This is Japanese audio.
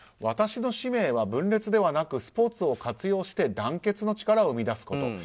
私の使命は分裂ではなくスポーツを活用して団結の力を生み出すこと。